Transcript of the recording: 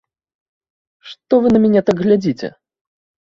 Што вы на мяне так глядзіце?